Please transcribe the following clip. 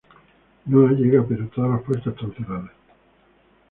Noah llega pero todas las puertas están cerradas.